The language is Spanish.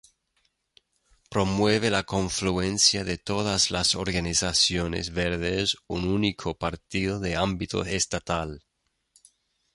Promueve la confluencia de todas las organizaciones verdes un único partido de ámbito estatal.